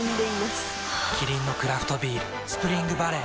キリンのクラフトビール「スプリングバレー」